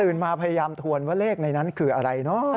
มาพยายามทวนว่าเลขในนั้นคืออะไรเนอะ